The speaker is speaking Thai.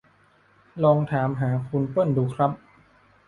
ลองถามหาคุณเปิ้ลดูครับ